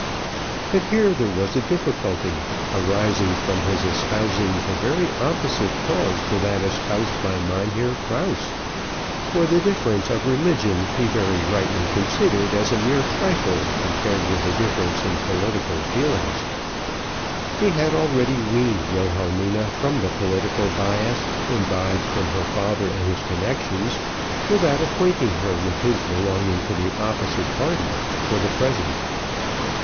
But here there was a difficulty, arising from his espousing the very opposite cause to that espoused by Mynheer Krause, for the difference of religion he very rightly considered as a mere trifle compared with the difference in political feelings. He had already weaned Wilhelmina from the political bias, imbibed from her father and his connections, without acquainting her with his belonging to the opposite party, for the present.